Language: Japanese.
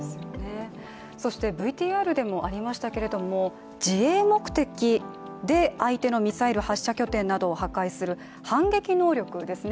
ＶＴＲでもありましたけれども自衛目的で相手のミサイル発射拠点などを破壊する反撃能力ですね。